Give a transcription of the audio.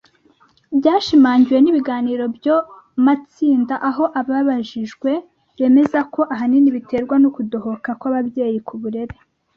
byashimangiwe n ibiganiro byo matsinda aho ababajijwe bemeza ko ahanini biterwa no kudohoka kw ababyeyi ku burere